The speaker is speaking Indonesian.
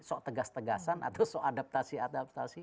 sok tegas tegasan atau sok adaptasi adaptasi